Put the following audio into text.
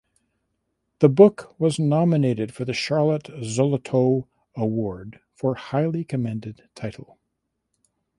The book was nominated for the Charlotte Zolotow Award for Highly Commended Title.